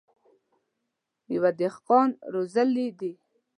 يوه دهقان روزلي دي.